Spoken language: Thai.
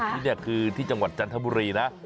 ที่นี่คือที่จังหวัดจันทบุรีนะ